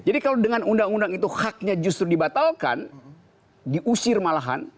jadi kalau dengan undang undang itu haknya justru dibatalkan diusir malahan